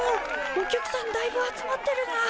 お客さんだいぶ集まってるなあ。